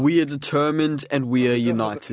mereka yang ingin menaklukkan kita